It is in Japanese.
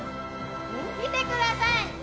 見てください！